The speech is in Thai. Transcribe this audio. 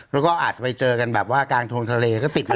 แล้วก็อาจจะไปเจอกันแบบว่ากลางทงทะเลก็ติดเลย